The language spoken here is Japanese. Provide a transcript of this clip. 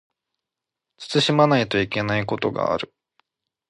慎まないといけないことがある